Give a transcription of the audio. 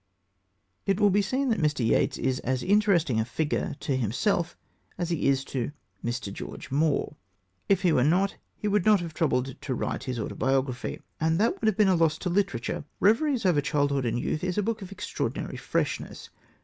It will be seen that Mr. Yeats is as interesting a figure to himself as he is to Mr. George Moore. If he were not he would not have troubled to write his autobiography. And that would have been a loss to literature. Reveries Over Childhood and Youth is a book of extraordinary freshness.